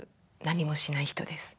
なんもしない人”」です。